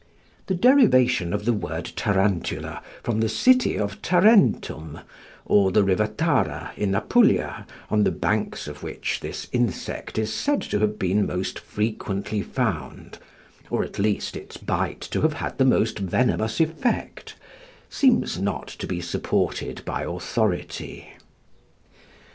The derivation of the word tarantula, from the city of Tarentum, or the river Thara, in Apulia, on the banks of which this insect is said to have been most frequently found, or, at least, its bite to have had the most venomous effect, seems not to be supported by authority.